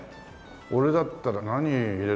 俺だったら何入れるかなあ。